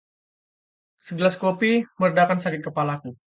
Segelas kopi meredakan sakit kepalaku.